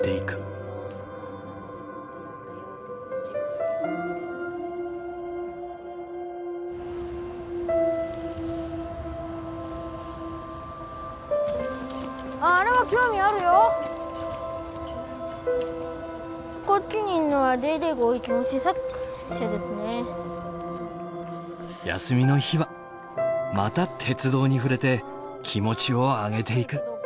休みの日はまた鉄道に触れて気持ちを上げていく。